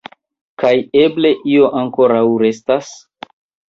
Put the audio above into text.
Kaj eble io ankoraŭ restas?